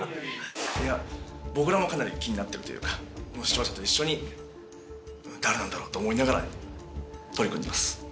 いや僕らもかなり気になってるというか視聴者と一緒に誰なんだろうと思いながら取り組んでます。